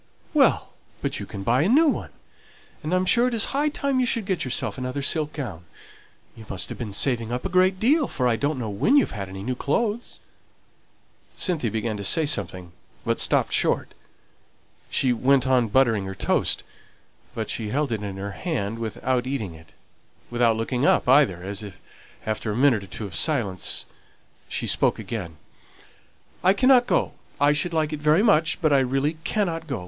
"Well, but you can buy a new one; and I'm sure it is high time you should get yourself another silk gown. You must have been saving up a great deal, for I don't know when you've had any new clothes." Cynthia began to say something, but stopped short. She went on buttering her toast, but she held it in her hand without eating it; without looking up either, as, after a minute or two of silence, she spoke again: "I cannot go. I should like it very much; but I really cannot go.